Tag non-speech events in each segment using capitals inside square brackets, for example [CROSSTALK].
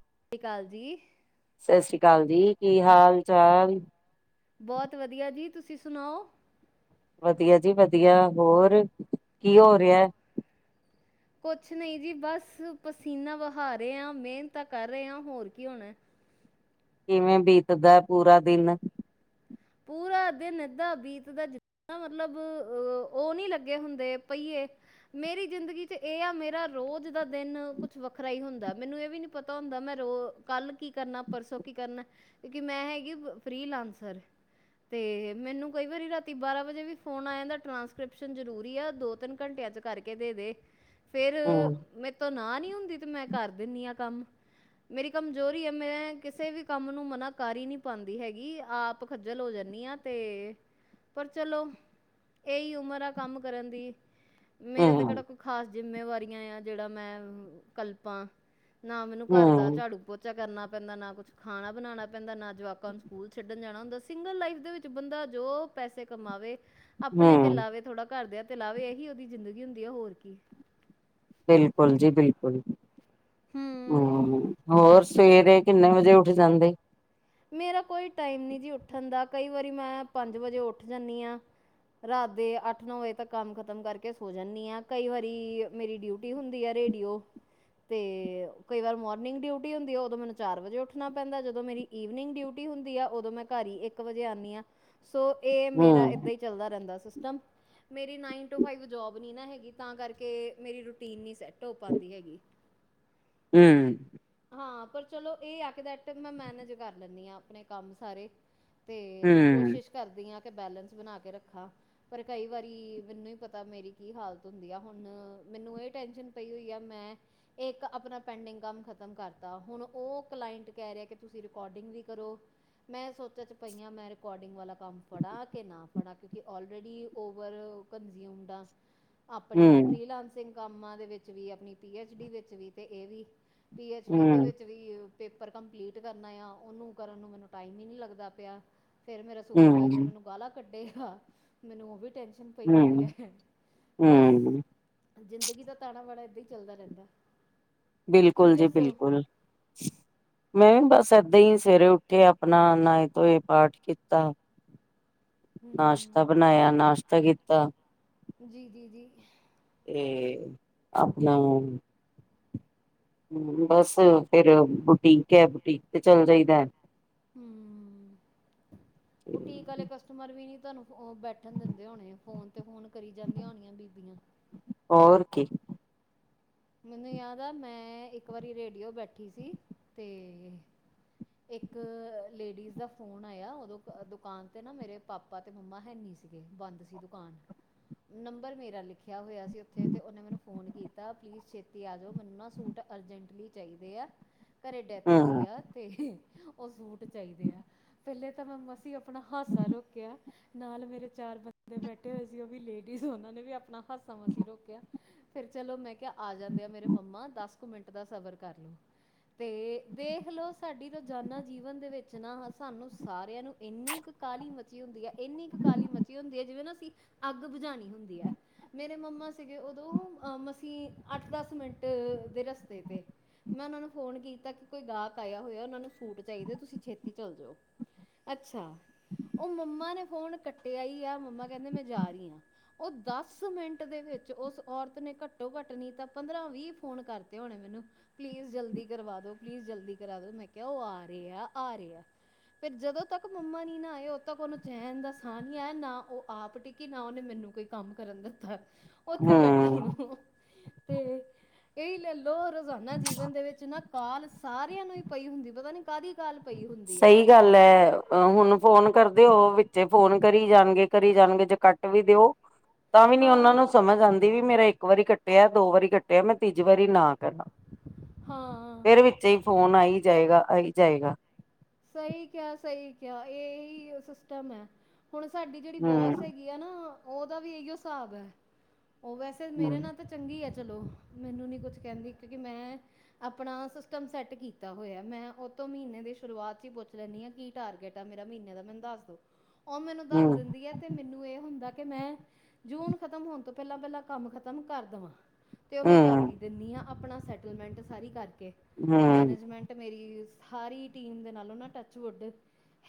ਸਤਿ ਸ੍ਰੀ ਅਕਾਲ ਜੀ [INAUDIBLE] ਜੀ ਕੀ ਹਾਲ ਚਾਲ ਬਹੁਤ ਵਧੀਆ ਜੀ ਤੁਸੀਂ ਸੁਣਾਓ ਵਧੀਆ ਜੀ ਵਧੀਆ ਹੋਰ ਕੀ ਹੋ ਰਿਆ ਕੁਛ ਨਹੀਂ ਜੀ ਬਸ ਪਸੀਨਾ ਵਹਾ ਰਹੇ ਹ ਮਿਹਨਤ ਤਾਂ ਕਰ ਰਹੇ ਹ ਹੋਰ ਕੀ ਹੋਣਾ ਕਿਵੇਂ ਬੀਤਦਾ ਪੂਰਾ ਦਿਨ ਪੂਰਾ ਦਿਨ ਏਧਾਂ ਬੀਤਦਾ ਜਿੱਦਾਂ ਮਤਲਬ ਉਹ ਨੀ ਲੱਗੇ ਹੁੰਦੇ ਪਇਏ ਮੇਰੀ ਜ਼ਿੰਦਗੀ ਚ ਇਹ ਆ ਮੇਰਾ ਰੋਜ਼ ਦਾ ਦਿਨ ਕੁਛ ਵੱਖਰਾ ਹੀ ਹੁੰਦਾ ਮੈਨੂੰ ਇਹ ਵੀ ਨੀ ਪਤਾ ਹੁੰਦਾ ਮੈਂ ਕੱਲ ਕੀ ਕਰਨਾ ਪਰਸੋਂ ਕੀ ਕਰਨਾ ਕਿਉਕਿ ਮੈਂ ਹੈਗੀ ਫ੍ਰੀ ਲਾਂਸਰ ਤੇ ਮੈਨੂੰ ਕਈ ਵਾਰੀ ਰਾਤੀ ਬਾਰਾਂ ਵਜੇ ਵੀ ਫੋਨ ਆਇਆ ਟ੍ਰਾਂਸਕ੍ਰਿਪਸ਼ਨ ਜਰੂਰੀ ਆ ਦੋ ਤਿੰਨ ਘੰਟਿਆਂ ਚ ਕਰਕੇ ਦੇ ਦੇ ਫੇਰ ਹਮ ਮੈਂ ਤੁੂੰ ਨਾ ਨੀ ਹੁੰਦੀ ਤੇ ਮੈਂ ਕਰ ਦਿੰਦੀ ਆ ਕੰਮ ਮੇਰੀ ਕਮਜ਼ੋਰੀ ਹੈ ਮੈਂ ਕਿਸੇ ਵੀ ਕੰਮ ਨੂੰ ਮਨਾ ਕਰ ਨੀ ਪਾਉਂਦੀ ਹੈਗੀ ਆਪ ਖੱਜਲ ਹੋ ਜਾਂਦੀ ਹ ਤੇ ਪਰ ਚਲੋ ਇਹੀ ਉਮਰ ਆ ਕੰਮ ਕਰਨ ਦੀ ਮੇਰੇ ਤੇ ਹਮ ਕਿਹੜਾ ਕੋਈ ਖਾਸ ਜਿੰਮੇਵਾਰੀਆਂ ਆ ਜਿਹੜਾ ਮੈਂ ਕਲਪਾਂ ਨਾ ਮੈਨੂੰ ਘਰ ਦਾ ਹਮ ਝਾੜੂ ਪੋਚਾ ਕਰਨਾ ਪੈਂਦਾ ਨਾ ਕੁਛ ਖਾਣਾ ਬਣਾਉਣਾ ਪੈਂਦਾ ਨਾ ਜਵਾਕਾਂ ਨੂੰ ਸਕੂਲ ਛੱਡ ਜਾਣਾ ਹੁੰਦਾ ਸਿੰਗਲ ਲਾਈਫ ਦੇ ਵਿੱਚ ਬੰਦਾ ਜੋ ਪੈਸੇ ਕਮਾਵੇ ਆਪਣੇ ਤੇ ਹਮ ਲਾਵੇ ਥੋੜਾ ਘਰ ਦੇ ਤੇ ਲਲਾਵੇ ਇਹੀ ਉਹਦੀ ਜ਼ਿੰਦਗੀ ਹੁੰਦੀ ਆ ਹੋਰ ਕੀ ਬਿਲਕੁਲ ਜੀ ਬਿਲਕੁਲ ਹੂੰ ਹਮ ਹੋਰ ਸਵੇਰੇ ਕਿੰਨੇ ਵਜੇ ਉੱਠ ਜਾਂਦੇ ਮੇਰਾ ਕੋਈ ਟਾਈਮ ਨਹੀ ਜੀ ਉੱਠਣ ਦਾ ਕਈ ਵਾਰੀ ਮੈਂ ਪੰਜ ਵਜੇ ਉੱਠ ਜਾਂਦੀ ਆ ਰਾਤ ਦੇ ਅੱਠ ਨੌ ਵਜੇ ਤੱਕ ਕੰਮ ਖਤਮ ਕਰਕੇ ਸੋ ਜਾਂਦੀ ਆ ਕਈ ਵਾਰੀ ਮੇਰੀ ਡਿਊਟੀ ਹੁੰਦੀ ਆ ਰੇਡੀਓ ਤੇ ਕਈ ਵਾਰ ਮੋਰਨਿੰਗ ਡਿਊਟੀ ਹੁੰਦੀ ਆ ਉਦੋਂ ਮੈਨੂੰ ਚਾਰ ਵਜੇ ਉੱਠਣਾ ਪੈਂਦਾ ਜਦੋਂ ਮੇਰੀ ਈਵਨਿੰਗ ਡਿਊਟੀ ਹੁੰਦੀ ਆ ਉਓਦੋਂ ਮੈਂ ਘਰ ਹੀ ਇੱਕ ਵਜੇ ਆਨੀ ਆ ਸੋ ਇਹ ਮੇਰਾ ਹਮ ਏਦਾਂ ਹੀ ਚੱਲਦਾ ਰਹਿੰਦਾ ਸੀਸਟਮ ਮੇਰੀ ਨਾਈਨ ਟੂ ਫਾਈਵ ਜੋਬ ਨਈ ਨਾ ਹੈਗੀ ਤਾਂ ਕਰਕੇ ਮੇਰੀ ਰੂਟੀਨ ਨ ਸੈਟ ਧੂਪ ਆਉਂਦੀ ਹੈਗੀ ਹਮ ਹਾਂ ਪਰ ਚਲੋ ਇਹ ਆ ਕੇ ਡੈਟ ਮੈਂ ਮੈਨੇਜ ਕਰ ਲੈਂਦੀ ਹਾਂ ਆਪਣੇ ਕੰਮ ਸਾਰੇ ਤੇ ਹਮ ਕੋਸ਼ਿਸ਼ ਕਰਦੀ ਹਾਂ ਤੇ ਬੈਲੈਂਸ ਬਣਾ ਕੇ ਰੱਖਾ ਪਰ ਕਈ ਵਾਰੀ ਮੈਨੂੰ ਹੀ ਪਤਾ ਮੇਰੀ ਕੀ ਹਾਲਤ ਹੁੰਦੀ ਆ ਹੁਣ ਮੈਨੂੰ ਇਹ ਟੈਂਸ਼ਨ ਪਈ ਹੋਈ ਆ ਮੈਂ ਇੱਕ ਆਪਣਾ ਪੈਂਡਿੰਗ ਕੰਮ ਖਤਮ ਤਮ ਕਰਤਾ ਹੁਣ ਉਹ ਕਲਾਇੱਟ ਕਹਿ ਰਿਹਾ ਤੁਸੀਂ ਰਕਾਰੋਡਿੰਗ ਵੀ ਕਰੋ ਮੈਂ ਸੋਚ ਚ ਪਈ ਆ ਮੈਂ ਰਕਾਰੋਡਿੰਗ ਵਾਲਾ ਕੰਮ ਫੜਾ ਕਿ ਨਾ ਫੜਾ ਕਿਉਂਕਿ ਓਲਰੇਡੀ ਓਵਰਕਨਜ਼ੂਮਡ ਆ ਆਪਣੇ ਹਮ ਫਰੀਲਾਂਸਿੰਗ ਕੰਮਾਂ ਦੇ ਵਿੱਚ ਵੀ ਆਪਣੀ ਪੀ ਐਚ ਡੀ ਵਿੱਚ ਵੀ ਤੇ ਇਹ ਵੀ ਪੀ ਐਚ ਡੀ ਦੇ ਹਮ ਵਿੱਚ ਵੀ ਪੇਪਰ ਕੰਪਲੀਟ ਕਰਨਾ ਆ ਉਹਨੂੰ ਕਰਨ ਨੂੰ ਮੈਨੂੰ ਟਾਈਮ ਹੀ ਨਹੀ ਲੱਗਦਾ ਪਿਆ ਫੇਰ ਮੇਰਾ ਸੁਪਰਵਾਈਜ਼ਰ ਹਮ ਮੈਨੂੰ ਗਾਲਾ ਕੱਢੇਗਾ ਮੈਨੂੰ ਉਹ ਵੀ ਟਏਨਸ਼ਨ ਪਈ ਹੋਈ ਹਮ ਹੈ ਬਸ ਹਮ ਜ਼ਿੰਦਗੀ ਦਾ ਤਾਣਾ ਬਾਨਾ ਏਦਾਂ ਹੀ ਚੱਲਦਾ ਰਹਿੰਦਾ ਤੁਸੀਂ ਬਿਲਕੁਲ ਜੀ ਦੱਸੋ ਬਿਲਕੁਲ ਮੈਂ ਬਸ ਸਦੇਈ ਸਵੇਰੇ ਉੱਠੇ ਆਪਣਾ ਨਏ ਧੋਏ ਪਾਠ ਕੀਤਾ ਨਾਸ਼ਤਾ ਹਮ ਬਣਾਇਆ ਨਾਸ਼ਤਾ ਕੀਤਾ [INAUDIBLE] ਤੇ ਆਪਣਾ ਹੂੰ, ਬਸ ਫੇਰ ਬੁਟੀਕ ਹੈ ਬੁਟੀਕ ਤੇ ਚੱਲ ਜਾਈਦੈ। ਹੂੰ, ਬੁਟੀਕ ਆਲੇ ਕਸਟਮਰ ਵੀ ਨੀ ਤੁਹੈਨੂੰ ਫੋ ਔ ਬੈਠਣ ਦਿੰਦੇ ਹੋਣੇ। ਫੋਨ ਤੇ ਫੋਨ ਕਰੀ ਜਾਂਦੀਆਂ ਹੋਣੀਆਂ ਬੀਬੀਆਂ। [UNINTELLIGIBLE] ਮੈਨੂੰ ਯਾਦ ਆ ਮੈਂ ਇੱਕ ਵਾਰੀ ਰੇਡੀਓ ਬੈਠੀ ਸੀ, ਤੇ ਏੱਕ ਲੇਡੀਸ ਦਾ ਫੋਨ ਆਯਾ ਓਦੋ ਕ ਦੁਕਾਨ ਤੇ ਨਾ ਮੇਰੇ ਪਾਪਾ ਤੇ ਮੰਮਾ ਹੈਨੀ ਸੀਗੇ, ਬੰਦ ਸੀ ਦੁਕਾਨ। ਨੰਬਰ ਮੇਰਾ ਲਿਖਿਆ ਹੋਇਆ ਸੀ ਓਥੇ, ਤੇ ਔਨੇ ਮੈਨੂੰ ਫੋਨ ਕੀਤਾ ਪਲੀਸ ਛੇਤੀ ਆ ਜੋ, ਮੈਨੂੰ ਨਾ ਸੂਟ ਅਰਜੰਟਲੀ ਚਾਈਦੇ ਐ। ਘਰੇ ਡੈਥ ਹੋਈ ਹੂੰ ਆ, ਤੇ ਓਹ ਸੂਟ ਚਾਈਦੇ ਆ। ਪੈਲੇ ਤਾਂ ਮੈਂ ਮਸੀ ਈ ਅਪਣਾ ਹਾਸਾ ਰੋਕਿਆ, ਨਾਲ ਮੇਰੇ ਚਾਰ ਬੰਦੇ ਬੈਠੇ ਹੋਏ ਸੀ, ਓਹ ਵੀ ਲੇਟ ਟੀਸੀ ਔਨਾਂ ਨੇ ਵੀ ਆਪਣਾ ਹਾਸਾ ਮਸੀ ਈ ਰੋਕਿਆ, ਫੇਰ ਚਲੋ ਮੈਂ ਕਿਆ ਆ ਜਾਂਦੇ ਆ ਮੇਰੇ ਮੰਮਾ, ਦੱਸ ਕੁ ਮਿੰਟ ਦਾ ਸਬਰ ਕਰ ਲੀ। ਤੇ ਵੇਖ ਲੋ ਸਾਡੀ ਰੋਜ਼ਾਨਾ ਜੀਵਨ ਦੇ ਵਿੱਚ ਨਾ, ਸਾਨੂੰ ਸਾਰਿਆਂ ਨੂੰ ਏੰਨੀ ਕ ਕਾਲੀ ਮਚੀ ਹੁੰਦੀ ਐ, ਏਨੀ ਕ ਕਾਲੀ ਮਚੀ ਹੁੰਦੀ ਐ ਜਿਵੇਂ ਨਾ ਅੱਗ ਬੁਝਾਣੀ ਹੁੰਦੀ ਐ, ਮੇਰੇ ਮੰਮਾ ਸੀਗੇ ਉਦੋਂ ਅ ਮਸੀ ਅੱਠ ਦਸ ਮਿੰਟ ਦੇ ਰਸਤੇ ਤੇ। ਮੈਂ ਔਨਾ ਨੂੰ ਫੋਨ ਕੀਤਾ, ਕਿ ਕੋਈ ਗਾਕ ਆਯਾ ਹੋਯਾ ਉਹਨਾਂ ਨੂੰ ਸੂਟ ਚਾਹੀਦਾ, ਤੁਸੀਂ ਛੇਤੀ ਚੱਲ ਜੋ। ਅੱਛਾ। ਔ ਮੰਮਾ ਨੇ ਫੋਨ ਕੱਟਿਆ ਈ ਆ, ਮੰਮਾ ਕੈੰਦੇਂ ਮੈਂ ਜਾਰੀ ਆਂ, ਓਹ ਦਸ ਮਿੰਟ ਦੇ ਵ ਵਿੱਚ ਉਸ ਔਰਤ ਨੇ ਘੱਟੋ-ਘੱਟ ਪਰਨੀਤ ਦਾ ਪੰਦਰਾਂ ਵੀਹ ਫੋਨ ਕਰਤੇ ਹੋਣੇ ਮੈਨੂੰ, ਪਲੀਜ਼ ਜਲਦੀ ਕਰਵਾ ਦੋ, ਪਲੀਜ਼ ਜਲਦੀ ਕਰਾ ਦੋ। ਮੈਂ ਕਿਆ ਓਹ ਆ ਰੇਆ, ਆ ਰੇਆ। ਫਿਰ ਜਦੋਂ ਤੱਕ ਮੰਮਾ ਨੀ ਨਾ ਆਏ, ਓਦੋਂ ਤੱਕ ਔਨੂੰ ਚੈਣ ਦਾ ਸਾਹ ਨੀ ਆਇਆ, ਨਾ ਓਹ ਆਪ ਟਿੱਕੀ, ਨਾ ਉਹਨੇ ਮੈਨ ਨੂੰ ਕੋਈ ਕੰਮ ਕਰਨ ਦਿੱਤਾ ਏ, ਔਥੇ ਬੈਠੀ ਹੂੰ ਨੂੰ, ਤੇ ਏਹੀ ਲੈ ਲੋ, ਰੋਜ਼ਾਨਾ ਜੀਵਨ ਦੇ ਵਿੱਚ ਨਾ, ਕਾਲ ਸਾਰਿਆਂ ਨੂੰ ਹੀ ਪਈ ਹੁੰਦੀ, ਪਤਾ ਨੀ ਕਾਹਦੀ ਕਾਲ ਪਈ ਹੁੰਦੀ ਹੈ। ਸਈ ਗੱਲ ਏ, ਅਹ ਹੁਣ ਫੋਨ ਕਰ ਦੇ ਉਹ ਵਿੱਚੇ ਫੋਨ ਕਰੀ ਜਾਣਗੇ, ਕਰੀ ਜਾਣਗੇ ਜ ਕੱਟ ਵੀ ਦਿਓ ਤਾਂ ਵੀ ਨੀ ਔਨਾਂ ਹਾਂ ਨੂੰ ਸਮਝ ਆੰਦੀ, ਵੀ ਮੇਰਾ ਇੱਕ ਵਾਰੀ ਘੱਟਿਐ, ਦੋ ਵਾਰੀ ਘੱਟਿਐ, ਮੈਂ ਤੀਜੀ ਵਾਰੀ ਨਾ ਕਰਨਾ, ਹਾਂ ਫਿਰ ਵਿੱਚੇ ਈ ਫੋਨ ਆਈ ਜਾਏਗਾ, ਆਈ ਜਾਏਗਾ। ਸਈ ਕਯਾ ਸਈ ਕਯਾ, ਏਹ ਏਹੀ ਸਿਸਟਮ ਐ। ਹੁਣ ਸਾਡੀ ਜੇੜੀ ਬੋਸ ਹੂੰ ਹੈਗੀ ਆ ਨਾ, ਓਹਦਾ ਵੀ ਅਹੀਓ ਸਾਬ ਐ। ਓਹ ਵੈਸੇ ਮੇਰੇ ਹੂੰ ਨਾਲ ਤੇ ਚੰਗੀ ਐ। ਚਲੋ ਮੈਨੂੰ ਨੀ ਕੁਛ ਕੈੰਦੀ, ਕਿਉਂਕਿ ਮੈਂ ਅਪਣਾ ਸਿਸਟਮ ਸੈੱਟ ਕੀਤਾ ਹੋਯਾ। ਮੈਂ ਔਥ ਤੋਂ ਮੀਨੇ ਦੀ ਸ਼ੁਰੂਆਤ ਚ ਹੀ ਪੁੱਛ ਲੈਂਣੀ ਆ, ਕੀ ਟਾਰਗੇਟ ਆ ਮੇਰਾ ਮੀਨੇ ਦਾ? ਮੈਨੂੰ ਦੱਸ ਦੋ। ਓਹ ਮੈਨੂੰ ਦੱਸ ਹੂੰ ਦਿੰਦੀ ਐ, ਤੇ ਮੈਨੂੰ ਏਹ ਹੁੰਦਾ ਕਿ ਮੈਂ ਜੂਨ ਖ਼ਤਮ ਹੋਣ ਤੋਂ ਪੈਲਾਂ-ਪੈਲਾਂ ਕੰਮ ਖ਼ਤਮ ਕਰ ਦਵਾਂ। ਤੇ ਔ ਮੈਂ ਕਰ ਹੂੰ ਵੀ ਦਿੰਣੀ ਆਂ ਅਪਣਾ ਸੈਟਲਮੈਂਟ ਸਾਰੀ ਕਰਕੇ, ਹੂੰ ਮੈਨੇਜਮੈਂਟ ਮੇਰੀ ਸਾਰੀ ਟੀਮ ਦੇ ਨਾਲੋਂ ਨਾ ਟੱਚਵੁੱਡ,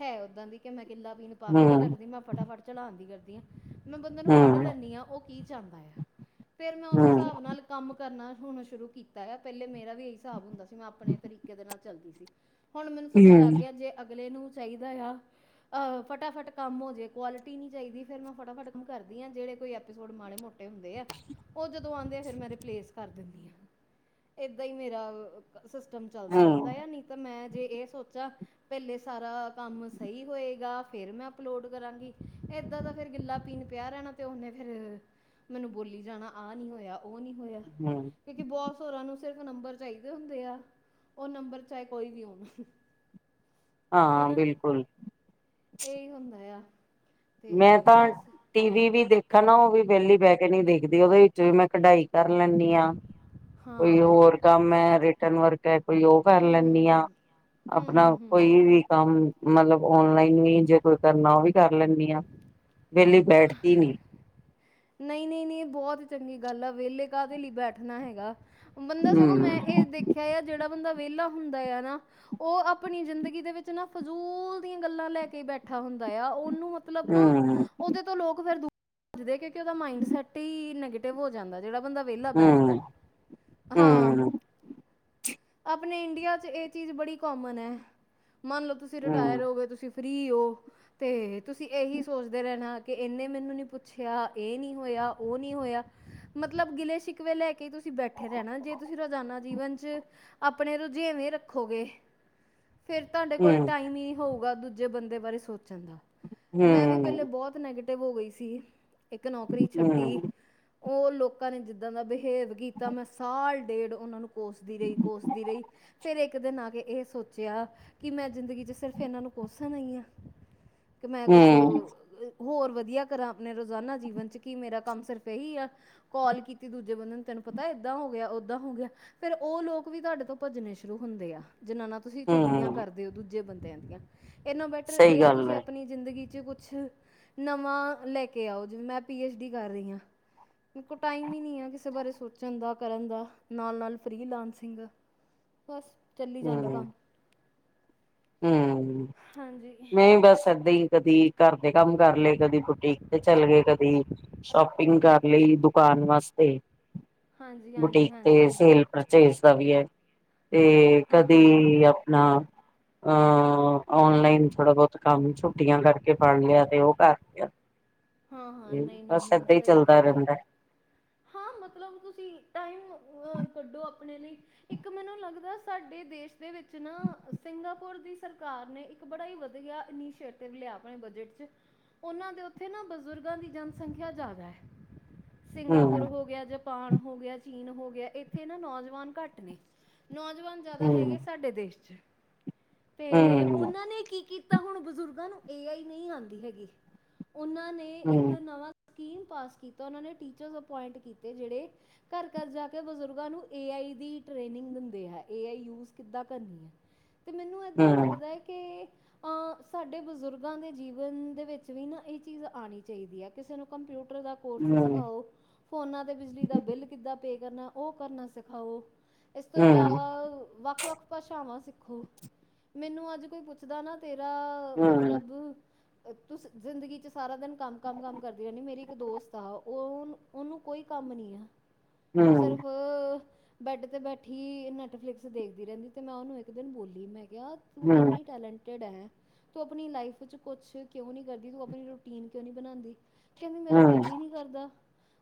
ਹੈ ਔਦਾਂ ਦੀ ਕੇ ਮੈਂ ਕਿੱਲਾ ਬੀਣ ਪਾ ਕੇ ਨੀ ਹੂੰ ਰੱਖਦੀ ਮੈਂ ਫਟਾਫਟ ਚੜਾਣ ਦੀ ਕਰਦੀ ਆਂ। ਮੈਂ ਬੰਦੇ ਨੂੰ ਪੜ੍ਹ ਹੂੰ ਲੈਂਣੀ ਆਂ, ਓਹ ਕੀ ਚਾੰਦਾ ਆ, ਫੇਰ ਮੈਂ ਓਸ ਸਾਬ ਨਾਲ ਕੰਮ ਕਰਨਾ ਹੁਣ ਸ਼ੁਰੂ ਕੀਤਾ ਆ, ਪੈਲੇ ਮੇਰਾ ਵੀ ਅਹੀ ਸਾਬ ਹੁੰਦਾ ਸੀ, ਮੈਂ ਆਪਣੇ ਤਰੀਕੇ ਦੇ ਨਾਲ ਚੱਲਦੀ ਸੀ। ਹੁਣ ਮੈਨੂੰ ਸਮਝ ਲੱਗ ਹੂੰ ਗਿਆ, ਜੇ ਅਗਲੇ ਨੂੰ ਚਾਈਦਾ ਆ ਅਹ ਫਟਾਫਟ ਕੰਮ ਹੋ ਜੇ, ਕਵਾਲਿਟੀ ਨੀ ਚਾਈਦੀ, ਫੇਰ ਮੈਂ ਫਟਾਫਟ ਕੰਮ ਕਰਦੀ ਆਂ, ਜੇੜੇ ਕੋਈ ਐਪੀਸੋਡ ਮਾੜੇ ਮੋਟ ਟੇ ਹੁੰਦੇ ਐ, ਓਹ ਜਦ ਤੋ ਆੰਦੇ ਏ, ਫੇਰ ਮੈਂ ਰਿਪਲੇਸ ਕਰ ਦਿੰਣੀ ਆਂ, ਏਦਾਂ ਹੀ ਮੇਰਾ ਅ ਕ ਸਿਸਟਮ ਚੱਲਦਾ ਰੈੰਦਾ ਆ, ਹੂੰ ਨੀ ਤਾਂ ਮੈਂ ਸੋਚਾ ਪੈਲੇ ਸਾਰਾ ਕੰਮ ਸਈ ਹੋਏਗਾ, ਫੇਰ ਮੈਂ ਅਪਲੋਡ ਕਰਾਂਗੀ, ਏਦਾਂ ਦਾ ਫੇਰ ਗਿੱਲਾ ਪੀਣ ਪਿਆ ਰੈਣਾ, ਤੇ ਓਨੇ ਫੇਰ ਮੈਨੂੰ ਬੋਲੀ ਜਾਣਾ, ਆਹ ਨੀ ਹੋਯਾ। ਓਹ ਨੀ ਹੋਯਾ, ਹੂੰ ਕਿਉਂਕਿ ਬੌਸ ਹੋਰਾਂ ਨੂੰ ਸਿਰਫ ਨੰਬਰ ਚਾਹੀਦੇ ਹੁੰਦੇ ਆ, ਔਹ ਨੰਬਰ ਚਾਹੇ ਕੋਈ ਵੀ ਹੋਵੇ ਹਾਂ, ਬਿਲਕੁਲ। ਇਹੀ ਹੁੰਦਾ ਆ ਮੈਂ ਤੇ ਤਾਂ ਬਸ ਟੀ ਵੀ ਵੀ ਦੇਖਾ ਨਾ ਔਹ ਵੀ ਵੇਹਲੀ ਬਹਿ ਕੇ ਨਹੀਂ ਦੇਖਦੀ, ਉਹਦੇ ਵਿੱਚ ਵੀ ਮੈਂ ਕਢਾਈ ਕਰ ਲੈਂਣੀ ਆਂ, ਕੋਈ ਹਾਂ ਹੋਰ ਕੰਮ ਏ ਰਿਟਰਨ ਵਰਕ ਹੈ ਕੋਈ ਉਹ ਕਰ ਹਮ ਲੈਣੀ ਆ, ਹਮ ਅਪਣਾ ਹਮ ਹਮ ਕੋਈ ਵੀ ਕੰਮ ਮਤਲਬ ਔਨਲਾਈਨ ਵੀ, ਜੇ ਕੋਈ ਕਰਨਾ ਉਹ ਵੀ ਕਰ ਲੈਂਣੀ ਆ, ਵਿਹਲੀ ਬੈਠਦੀ ਨੀ। ਨਹੀਂ-ਨਹੀਂ-ਨਹੀਂ ਏ ਬਹੁਤ ਚੰਗੀ ਗੱਲ ਆ, ਵੇਹਲੇ ਕਾਹਦੇ ਲਈ ਬੈਠਣਾ ਹੈਗਾ। ਬੰਦਾ ਸਗੋਂ ਹਮ ਮੈਂ ਏਹ ਦੇਖਿਆ ਆ ਜਿਹੜਾ ਬੰਦਾ ਵੇਹਲਾ ਹੁੰਦਾ ਆ ਨਾ, ਉਹ ਆਪਣੀ ਜ਼ਿੰਦਗੀ ਦੇ ਵਿੱਚ ਨਾ ਫਜ਼ੂਲ ਦੀਆਂ ਗੱਲਾਂ ਲੈ ਕੇ ਈ ਬੈਠ ਹਾਂ ਹੁੰਦਾ ਆ, ਉਹ ਮਤਲਬ ਨਾ ਹਮ ਉਹਦੇ ਤੋਂ ਲੋਕ ਫਿਰ ਦਸਦੇ ਕਿਂੳਕਿ ਉਹਦਾ ਮੰਡ ਸੈਟ ਹੀ ਨੈਗੇਟਿਵ ਤੇ ਹੋ ਜਾਂਦਾ ਜਿਹੜਾ ਬੰਦਾ ਵੇਹਲਾ ਬੈਠਦਾ ਹਮ ਏ। ਹਮ ਅਪਣੇ ਇੰਡੀਆ ਚ ਇਹ ਚੀਜ਼ ਬੜੀ ਕੋਮਨ ਹੈ, ਮਨ ਲਓ ਤੁਸੀਂ ਰਿਟਾਇਰ ਹਮ ਹੋ ਗਏ, ਤੁਸੀ ਫਰੀ ਹੋ, ਤੇ ਤੁਸੀਂ ਇਹੀ ਸੋਚਦੇ ਰਹਿਣਾ ਕਿ ਇਹਨੇ ਮੈਨੂੰ ਨੀ ਪੁੱਛਿਆ ਇਹ ਨੀ ਹੋਇਆ, ਉਹ ਨਹੀਂ ਹੋਇਆ, ਮਤਲਬ ਗਿਲੇ ਸ਼ਿਕਵੇ ਲੈ ਕੇ ਤੁਸੀ ਬੈਠੇ ਰਹਿਣਾ ਜੇ ਤੁਸੀਂ ਰੋਜ਼ਾਨਾ ਜੀਵਨ ਚ ਅਪਣੇ ਰੁਝੇਵੇਂ ਰੱਖੋਗੇ ਫਿਰ ਤੁਹਾਡੇ ਕੋਲ ਹਮ ਟਾਈਮ ਹੀ ਹੋਊਗਾ ਦੂਜੇ ਬੰਦੇ ਬਾਰੇ ਸੋਚ ਮੈਂ ਵੀ ਪਹਿਲੇ ਹਮ ਬਹੁਤ ਨੈਗੇਟਿਵ ਹੋ ਗਈ ਸੀ। ਇੱਕ ਨੌਕਰੀ ਛੱਡੀ ਹਮ ਉਹ ਲੋਕਾਂ ਨੇ ਜਿੱਦਾਂ ਦਾ ਬਿਹੇਵ ਕੀਤਾ, ਮੈਂ ਸਾਲ ਡੇਢ, ਉਹਨਾ ਨੂੰ ਕੋਸਦੀ ਰਹੀ- ਕੋਸਦੀ ਰਹੀ, ਫਿਰ ਇੱਕ ਦਿਨ ਆ ਕੇ ਇਹ ਸੋਚਿਆ ਕਿ ਮੈਂ ਜ਼ਿੰਦਗੀ ਚ ਕਿ ਸਿਰਫ ਇਹਨਾਂ ਨੂੰ ਕੋਸਣ ਆਈ ਹਾਂ ਕਿ ਮੈਂ ਕੁਛ ਹਮ ਹੋਰ ਵਧੀਆ ਕਰਾਂ ਅਪਣੇ ਰੋਜ਼ਾਨਾ ਜੀਵਨ ਚ ਕੀ ਮੇਰਾ ਕੰਮ ਸਿਰਫ ਇਹੀ ਆ, ਕੋਲ ਕੀਤੀ ਦੂਜੇ ਬੰਦੇ ਨੂੰ ਤੈਨੂੰ ਪਤਾ ਏਦਾਂ ਹੋ ਗਿਆ, ਔਦਾਂ ਹੋ ਗਿਆ ਫਿਰ ਉਹ ਲੋਕ ਵੀ ਤੁਹਾਡੇ ਤੋਂ ਭੱਜਣੇ ਸ਼ੁਰੂ ਹੁੰਦੇ ਆ ਜਿਨਾ ਨਾ ਤੁਸੀਂ ਚੁਗਲੀਆਂ ਹਮ ਕਰਦੇ ਹੋ ਦੂਜੇ ਬੰਦਿਆਂ ਦੀਆਂ। ਏਨਾ ਬੈਟਰ ਸਹੀ ਇਹ ਆ ਗੱਲ ਤੁਸੀਂ ਹੈ ਅਪਣੀ ਜ਼ਿੰਦਗੀ ਕੁਛ ਨਵਾਂ ਲੈਕੇ ਆਓ, ਜਿਵੇਂ ਮੈਂ ਪੀ ਐਚ ਡੀ ਕਰ ਰਹੀ ਹਾਂ। ਮੇਰੇ ਕੋਲ ਟਾਈਮ ਹੀ ਨਹੀ ਆ ਕਿਸੇ ਬਾਰੇ ਸੋਚਣ ਦਾ, ਕਰਨ ਦਾ, ਨਾਲ ਨਾਲ ਫਰੀ ਲਾਂਸਿੰਗ ਬਸ ਚੱਲੀ ਜਾਂਦਾ ਕੰਮ ਹੂੰ, ਹਾਂਜੀ ਨਹੀ ਬਸ ਏਦਾਂ ਈ ਕਦੀ ਘਰ ਦੇ ਕੰਮ ਕਰ ਲਏ, ਕਦੀ ਬੁਟੀਕ ਤੇ ਚੱਲੇ ਗਏ, ਕਦੀ ਸ਼ੋਪਿੰਗ ਕਰ ਲਈ, ਦੁਕਾਨ ਵਾਸਤੇ, ਹਾਂਜੀ ਹਾਂਜੀ ਬੁਟੀਕ ਤੇ ਹਾਂਜੀ ਸੇਲ ਪਰਚੇਸ ਦਾ ਵੀ ਹੈ। ਤੇ ਹਾਂ ਹਾਂ ਹਾਂ ਕਦੀ ਅਪਣਾ ਅਹ ਔਨਲਾਈਨ ਥੋੜਾ ਬਹੁਤ ਕੰਮ ਛੁੱਟੀਆਂ ਕਰਕੇ ਫੜ ਲਿਆ, ਤੇ ਉਹ ਕਰ ਲਿਆ। ਹਾਂ ਹਾਂ, ਤੇ ਨਹੀਂ ਨਹੀਂ ਬਸ ਨਹੀਂ ਏਦਾਂ ਹੀ ਸਹੀ ਆ, ਚੱਲਦਾ ਸਹੀ ਆ ਰਹਿੰਦਾ ਹਾਂ ਮਤਲਬ ਤੁਸੀਂ ਟਾਈਮ ਹੋਰ ਕੱਢੋ ਅਪਣੇ ਲਈ। ਇੱਕ ਮੈਨੂੰ ਲੱਗਦਾ ਸਾਡੇ ਦੇਸ਼ ਦੇ ਵਿੱਚ ਨਾ ਸਿੰਗਾਪੁਰ ਦੀ ਸਰਕਾਰ ਨੇ ਇੱਕ ਬੜਾ ਹੀ ਵਧਿਆ ਇਨਿਸੇ਼ਟਿਵ ਲਿਆ ਅਪਣੇ ਬਜਟ ਚ, ਉਹਨਾਂ ਦੇ ਉ ਉਥੇ ਨਾ ਬਜ਼ੁਰਗਾਂ ਦੀ ਜਨਸੰਖਿਆ ਜ਼ਿਆਦਾ ਹੈ। ਸਿੰਗਾਪੁਰ ਹਮ ਹੋ ਗਿਆ ਜ ਜਪਾਨ ਹੋ ਗਿਆ, ਚੀਨ ਹੋ ਗਿਆ, ਇੱਥੇ ਨਾ ਨੌਜਵਾਨ ਘੱਟ ਨੇ ਨੌਜਵਾਨ ਜ਼ਿਆਦਾ ਹੈਗੇ ਹਮ ਸਾਡੇ ਦੇਸ਼ ਚ ਤੇ ਹਮ ਉਹਨਾਂ ਨੇ ਕੀ ਕੀਤਾ ਹੁਣ ਬਜ਼ੁਰਗਾਂ ਨੂੰ ਏ ਆਈ ਨਹੀਂ ਆਉਂਦੀ ਹੈਗੀ ਉਹਨਾਂ ਨੇ ਇੱਕ ਹਮ ਨਵਾਂ ਸਕੀਮ ਪਾਸ ਕੀਤਾ। ਉਨ੍ਹਾਂ ਨੇ ਟੀਚਰ ਅਪੋਇੰਟ ਕੀਤੇ ਜਿਹੜੇ ਘਰ- ਘਰ ਜਾ ਕੇ ਬਜ਼ੁਰਗਾਂ ਨੂੰ ਏ ਆਈ ਦੀ ਟ੍ਰੇਨਿੰਗ ਦਿੰਦੇ ਐ। ਏ ਆਈ ਯੂਜ ਕਿਦਾਂ ਕਰਨੀ ਮੈਨੂੰ ਏਦਾਂ ਹਮ ਲੱਗਦਾ ਹੈ ਕੇ ਸਾਡੇ ਬਜ਼ੁਰਗਾਂ ਦੇ ਜੀਵਨ ਦੇ ਵਿੱਚ ਵੀ ਨਾ ਇਹ ਚੀਜ਼ ਆਉਣੀ ਚਾਹੀਦੀ ਹੈ। ਕਿਸੇ ਨੂੰ ਕੰਪਿਊਟਰ ਕੋਰਸ ਹਮ ਸਿਖਾਓ, ਫੋਨਾ ਤੇ ਬਿਜਲੀ ਦਾ ਬਿੱਲ ਕਿੱਦਾਂ ਪੇ ਕਰਨਾ ਉਹ ਕਰਨਾ ਸਿਖਾਓ ਇਸ ਤੋਂ ਹਮ ਇਲਾਵਾ ਵੱਖ- ਵੱਖ ਭਾਸ਼ਾਵਾਂ ਸਿੱਖੋ। ਮੈਨੂੰ ਅੱਜ ਕੋਈ ਪੁੱਛਦਾ ਨਾ ਤੇਰਾ ਹਮ ਮਤਲਬ ਤੁਸੀਂ ਜ਼ਿੰਦਗੀ ਚ ਸਾਰਾ ਦਿਨ ਕੰਮ ਕਮ ਕੰਮ ਕਰਦੀ ਰਹਿੰਦੀ, ਮੇਰੀ ਇੱਕ ਦੋਸਤ ਆ ਉਹਨੂੰ ਉਹਨੂੰ ਕੋਈ ਕੰਮ ਨੀ ਆ ਉਹ ਹਮ ਸਿਰਫ ਬੈਡ ਤੇ ਬੈਠੀ ਨੈਟਫਲਿਕਸ ਦੇਖਦੀ ਰਹਿੰਦੀ ਤੇ ਮੈਂ ਉਹਨੂੰ ਇੱਕ ਦਿਨ ਬੋਲੀ ਮੈਂ ਤੂੰ ਇੰਨੀ ਟੈਲੈਂਟਡ ਹੈ ਤੂੰ ਅਪਨੀ ਲਾਈਫ ਚ ਕੁਛ ਕਿਉਂ ਨੀ ਕਰਦੀ ਤੂੰ ਅਪਨੀ ਰੁਟੀਨ ਕਿਉਂ ਨੀ ਬਣਾਉਂਦੀ ਕਹਿੰਦੀ ਹਮ ਹਮ ਮੇਰਾ ਦਿਲ ਹੀ ਨੀ ਕਰਦਾ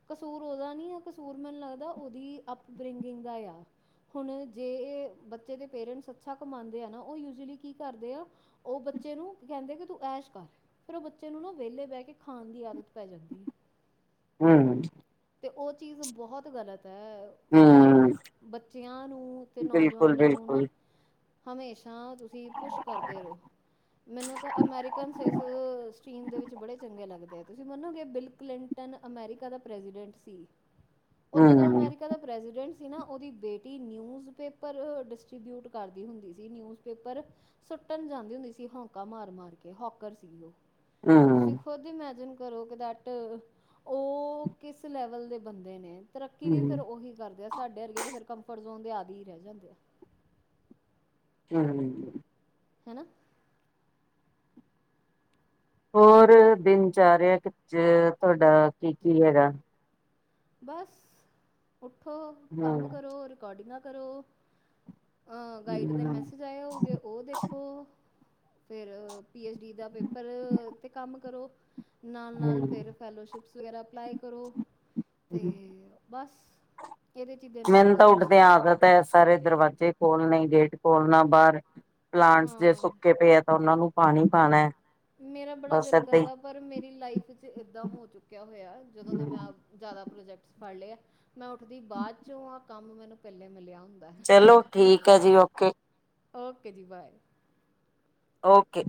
ਕਸੂਰ ਓਹਦਾ ਨੀ ਆ ਕਸੂਰ ਮੈਨੂੰ ਲੱਗਦਾ ਉਹਦੀ ਅਪ ਬਰਿੰਗ ਦਾ ਆ ਹੁਣ ਜੇ ਬੱਚੇ ਦੇ ਪੇਰੈਂਟਸ ਅੱਛਾ ਕਮਾਦੇ ਆ ਨਾ ਉਹ ਯੂਜਲੀ ਕੀ ਕਰਦੇ ਆ ਉਹ ਬੱਚੇ ਨੂੰ ਕਹਿੰਦੇ ਕਿ ਤੂੰ ਐਸ਼ ਕਰ ਫਿਰ ਉਹ ਬੱਚੇ ਨੂੰ ਨਾ ਵਿਹਲੇ ਬਹਿ ਕੇ ਖਾਨ ਦੀ ਆਦਤ ਪੈ ਜਾਂਦੀ ਹੈ ਹੂੰ ਤੇ ਉਹ ਚੀਜ਼ ਬਹੁਤ ਗਲਤ ਮਤਲਬ ਹਮ ਬੱਚਿਆਂ ਨੂੰ ਤੇ ਬਿਲਕੁਲ ਨੌਜਵਾਨਾਂ ਨੂੰ ਨਾ ਬਿਲਕੁਲ ਹਮੇਸ਼ਾ ਤੁਸੀਂ ਪੁੱਛ ਕਰਦੇ ਰਹੋ ਮੈਨੂੰ ਤਾਂ ਅਮੈਰੀਕਨ ਸ ਸਟਰੀਮ ਦੇਵਿਚ ਚੰਗੇ ਲੱਗਦੇ ਆ ਤੁਸੀਂ ਮੰਨੋਗੇ ਬਿਲ ਕਲਿੰਟਨ ਅਮੈਰੀਕਾ ਦਾ ਪ੍ਰੈਜੀਡੈਂਟ ਸੀ ਉਹ ਜਦੋਂ ਹਮ ਅਮੈਰੀਕਾ ਦਾ ਪ੍ਰੈਜੀਡੈਂਟ ਸੀ ਨਾ ਓਹਦੀ ਬੇਟੀ ਨਿਊਜ ਪੇਪਰ ਡਿਸਟ੍ਰਬਿਊਟ ਕਰਦੀ ਹੁੰਦੀ ਸੀ ਨਿਊਜ ਪੇਪਰ ਸੁੱਟਣ ਜਾਂਦੀ ਹੁੰਦੀ ਸੀ ਹਾਕਾ ਮਾਰ ਮਾਰ ਕੇ ਹਾਕਰ ਸੀ ਉਹ ਤੇ ਹਮ ਤੁਸੀਂ ਖੁਦ ਇਮੈਜਨ ਕਰੋ ਕਿ ਦੇਅਟ ਉਹ ਕਿਸ ਲੈਵਲ ਦੇ ਬੰਦੇ ਨੇ ਤਰੱਕੀ ਹੂੰ, ਵੀ ਫੇਰ ਉਹੀ ਕਰਦੇ ਆ ਸਾਡੇ ਅਰਗੇ ਤਾਂ ਫਿਰ ਕੰਫਰਟ ਜ਼ੋਨ ਦੇ ਆਦਿ ਹੀ ਰਹਿ ਜਾਂਦੇ ਆ [UNINTELLIGIBLE] ਹੈਨਾ ਹੋਰ ਦਿਨਚਰਿਆ ਚ ਤੁਹਾਡਾ ਕੀ ਕੀ ਹੈਗਾ ਬਸ ਉੱਠੋ ਕੰਮ ਹੂੰ, ਕਰੋ ਰਿਕਾਰਡਿੰਗਾ ਕਰੋ ਅਹ ਗਾਈਡ ਦੇ ਹੂੰ, ਮੈਸੇਜ ਆਏ ਹੋਊਗੇ ਉਹ ਦੇਖੋ ਫਿਰ ਪੀ ਐੱਚ ਡੀ ਦਾ ਪੇਪਰ ਤੇ ਕੰਮ ਕਰੋ ਨਾਲ, ਨਾਲ ਫਿਰ ਹੂੰ। ਫੈਲੋਸ਼ਿਪਸ ਵਗੈਰਾ ਅਪਲਾਈ ਕਰੋ ਤੇ [UNINTELLIGIBLE] ਮੈਨੂੰ ਤਾਂ ਉੱਠਦਿਆਂ ਆਦਤ ਹੈ ਸਾਰੇ ਦਰਵਾਜ਼ੇ ਖੋਲਣੇ ਗੇਟ ਖੋਲ੍ਹਣਾ ਬਾਹਰ ਪਲਾਂਟਸ ਜੇ ਹਾਂ ਸੁੱਕੇ ਪਏ ਹੈ ਤਾਂ ਉਹਨਾਂ ਨੂੰ ਪਾਣੀ ਪਾਨਾ ਮੇਰਾ ਬੜਾ ਦਿਲ ਕਰਦਾ ਪਰ ਮੇਰੀ ਲਾਈਫ ਚ ਏਦਾਂ ਹੋ ਚੁੱਕਿਆ ਹੋਇਆ ਜਦੋਂ ਦੇ ਹੀ। ਮੈਂ ਪ੍ਰੋਜੈਕਟ ਫੜ ਲਿਆ ਆ ਮੈਂ ਉੱਠਦੀ ਬਾਅਦ ਚੋਂ ਆਹ ਕੰਮ ਮੈਨੂੰ ਪਹਿਲੇ ਮਿਲਿਆ ਹੁੰਦਾ ਹੈ ਚਲੋ ਮੈਂ ਠੀਕ ਹੈ ਜੀ ਓਕੇ ਓਕੇ ਜੀ ਬਾਏ ਓਕੇ।